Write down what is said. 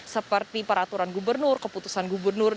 seperti peraturan gubernur keputusan gubernur